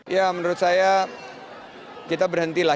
ya menurut saya kita berhentilah